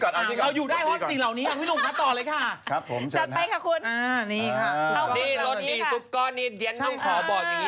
เราอยู่ได้เพราะคุณอยู่นี่คลีกลับต่อต่อเลยค่ะ